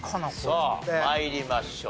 さあ参りましょう。